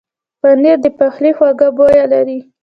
پنېر د پخلي خوږه بویه لري.